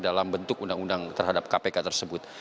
dalam bentuk undang undang terhadap kpk tersebut